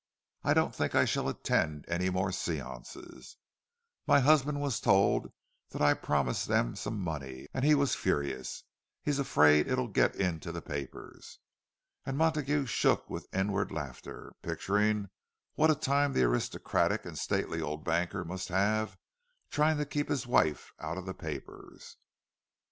"I don't think I shall attend any more séances. My husband was told that I promised them some money, and he was furious—he's afraid it'll get into the papers." And Montague shook with inward laughter, picturing what a time the aristocratic and stately old banker must have, trying to keep his wife out of the papers!